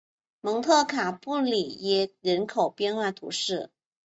蒙特卡布里耶人口变化图示